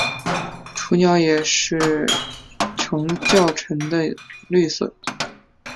雏鸟也是呈较沉的绿色。